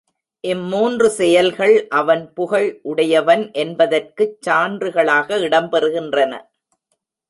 இம்மூன்று செயல்கள் அவன் புகழ் உடையவன் என்பதற்குச் சான்றுகளாக இடம்பெறுகின்றன.